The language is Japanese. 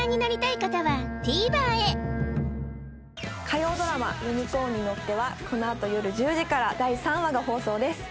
火曜ドラマ「ユニコーンに乗って」はこのあとよる１０時から第３話が放送です